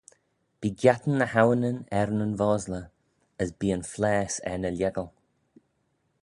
Bee giattyn ny hawinyn er nyn vosley, as bee yn phlaase er ny lhieggal.